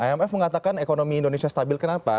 imf mengatakan ekonomi indonesia stabil kenapa